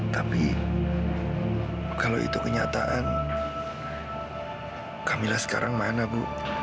tapi kalau itu kenyataan kamilah sekarang mana bu